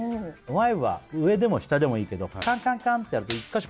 前歯上でも下でもいいけどカンカンカンってやると一か所